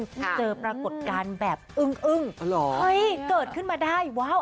เจอปรากฏการณ์แบบอึ้งอึ้งอ๋อเหรอเฮ้ยเกิดขึ้นมาได้ว้าว